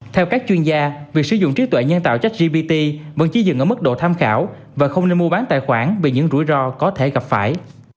theo các chuyên gia việc sử dụng trí tuệ nhân tạo cho gpt vẫn chỉ dừng ở mức độ tham khảo và không nên mua bán tài khoản vì những rủi ro có thể gặp phải